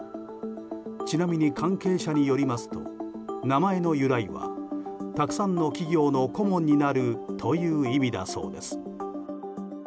ちなみに関係者によりますと名前の由来はたくさんの企業の顧問になるという意味だそうです。